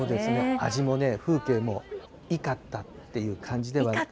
味もね、風景もね、いかったっていう感じでは。